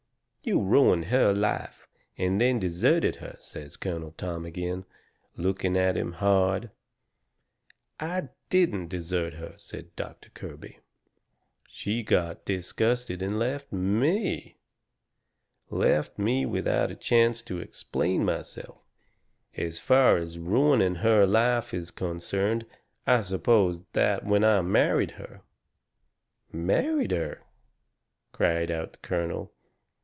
"You ruined her life, and then deserted her," says Colonel Tom agin, looking at him hard. "I DIDN'T desert her," said Doctor Kirby. "She got disgusted and left ME. Left me without a chance to explain myself. As far as ruining her life is concerned, I suppose that when I married her " "Married her!" cries out the colonel.